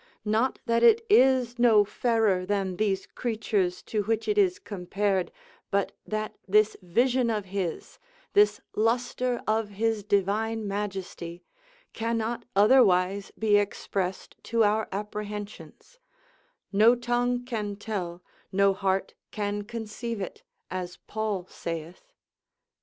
Not that it is no fairer than these creatures to which it is compared, but that this vision of his, this lustre of his divine majesty, cannot otherwise be expressed to our apprehensions, no tongue can tell, no heart can conceive it, as Paul saith.